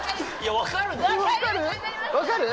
分かる？